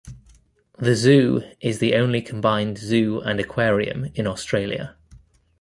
The Zoo is the only combined zoo and aquarium in Australia.